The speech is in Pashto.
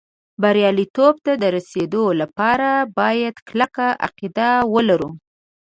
بریالېتوب ته د رسېدو لپاره باید کلکه عقیده ولرو